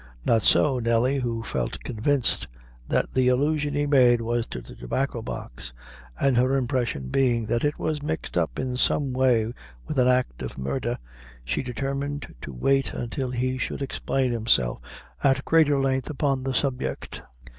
Not so Nelly, who felt convinced that the allusion he made was to the Tobacco box, and her impression being that it was mixed up in some way with an act of murder, she determined to wait until he should explain himself at greater length upon the subject.